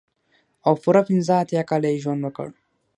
او پوره پنځه اتيا کاله يې ژوند وکړ.